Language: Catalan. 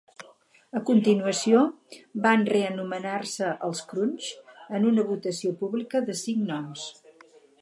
A continuació van reanomenar-se els "Crunch", en una votació pública de cinc noms.